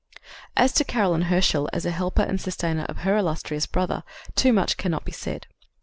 As to Caroline Herschel as a helper and sustainer of her illustrious brother, too much cannot be said.